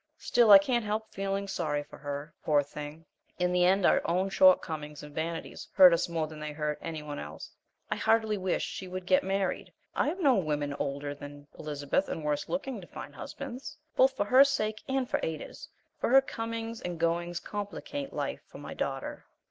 Still, I can't help feeling sorry for her, poor thing; in the end our own shortcomings and vanities hurt us more than they hurt any one else. I heartily wish she would get married I have known women older than Elizabeth, and worse looking, to find husbands both for her own sake and for Ada's, for her comings and goings complicate life for my daughter.